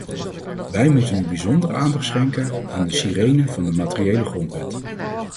Wij moeten nu bijzondere aandacht schenken aan de sirenen van de materiële grondwet.